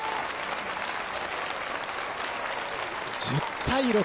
１０対６。